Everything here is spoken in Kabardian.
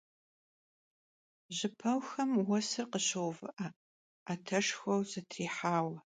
Jıpeuxem vuesır khışouvı'e, 'eteşşxueu zetrihaue.